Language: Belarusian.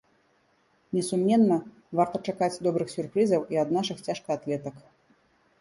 Несумненна, варта чакаць добрых сюрпрызаў і ад нашых цяжкаатлетак.